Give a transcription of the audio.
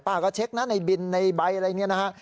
ก็เช็คนะในบินในใบอะไรอย่างนี้นะฮะ